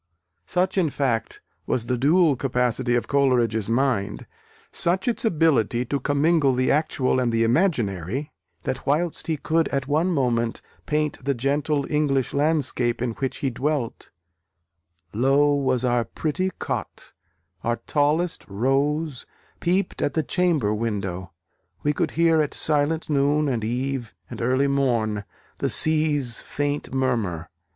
Such, in fact, was the dual capacity of Coleridge's mind, such its ability to commingle the actual and the imaginary, that whilst he could at one moment paint the gentle English landscape in which he dwelt, Low was our pretty Cot; our tallest Rose Peeped at the chamber window. We could hear At silent noon, and eve, and early morn, The Sea's faint murmur.